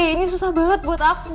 ini susah banget buat aku